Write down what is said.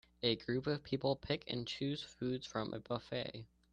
A group of people pick and choose foods from a buffet